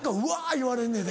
言われんねんで。